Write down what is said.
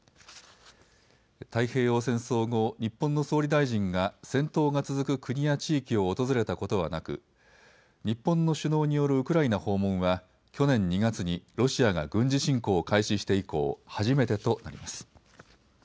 太平洋戦争後、日本の総理大臣が戦闘が続く国や地域を訪れたことはなく、日本の首脳によるウクライナ訪問は去年２月にロシアが軍事侵攻を開始して以降初めてとなります。